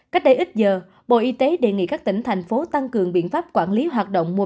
cách đây ít giờ bộ y tế đề nghị các tỉnh thành phố tăng cường biện pháp quản lý hoạt động